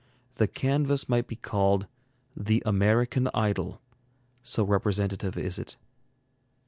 The canvas might be called 'The American Idol,' so representative is it.